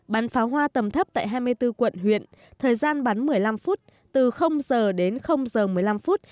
bắn pháo hoa tầm thấp tại hai mươi bốn quận huyện thời gian bắn một mươi năm phút từ giờ đến giờ một mươi năm phút